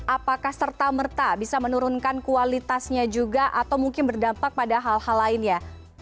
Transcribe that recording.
apakah serta merta bisa menurunkan kualitasnya juga atau mungkin berdampak pada hal hal lainnya